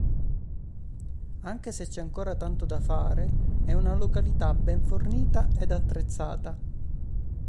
Anche se c'è ancora tanto da fare, è una località ben fornita ed attrezzata.